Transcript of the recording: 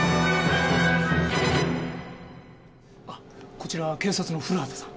こちら警察の古畑さん。